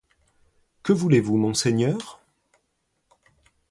Que voulez-vous, monseigneur?